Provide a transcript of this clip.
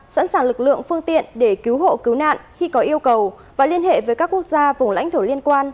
sẵn sàng lực lượng phương tiện để cứu hộ cứu nạn khi có yêu cầu và liên hệ với các quốc gia vùng lãnh thổ liên quan